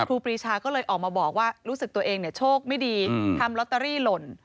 ครีชาก็เลยออกมาบอกว่ารู้สึกตัวเองโชคไม่ดีทำลอตเตอรี่หล่น